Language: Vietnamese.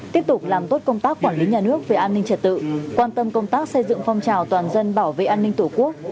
tiếp tục làm tốt công tác quản lý nhà nước về an ninh trật tự quan tâm công tác xây dựng phong trào toàn dân bảo vệ an ninh tổ quốc